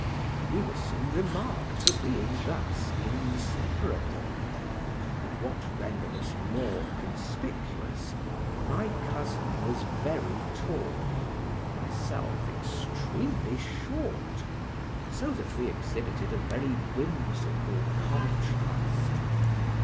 We were soon remarked for being thus inseparable: and what rendered us more conspicuous, my cousin was very tall, myself extremely short, so that we exhibited a very whimsical contrast.